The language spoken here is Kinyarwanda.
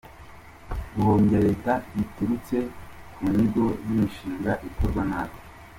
Guhombya leta biturutse ku nyigo z’imishinga ikorwa nabi .